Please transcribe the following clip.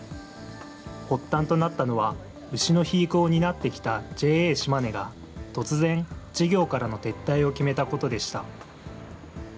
発端となったのは、牛の肥育を担ってきたＪＡしまねが、突然、事業からの撤退を決めたことでした。